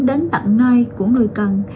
đến tận nơi của người cần